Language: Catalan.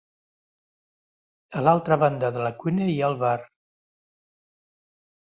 A l'altra banda de la cuina hi ha el bar.